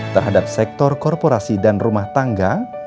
terhadap sektor korporasi dan rumah tangga